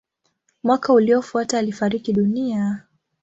Mwaka uliofuata alifariki dunia.